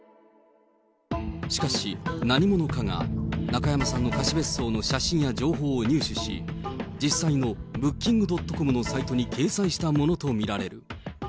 しかし、何者かが中山さんの貸別荘の写真や情報を入手し、実際のブッキング・ドットコムのサイトに掲載したものと見られる。